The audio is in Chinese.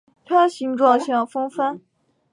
它形状像风帆。